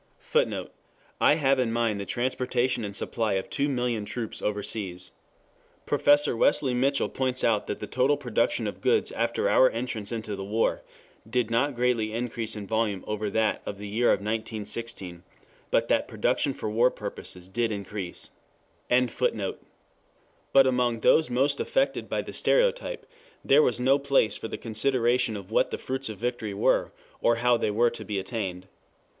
[Footnote: I have in mind the transportation and supply of two million troops overseas. Prof. Wesley Mitchell points out that the total production of goods after our entrance into the war did not greatly increase in volume over that of the year 1916; but that production for war purposes did increase.] But among those most affected by the stereotype, there was no place for the consideration of what the fruits of victory were, or how they were to be attained.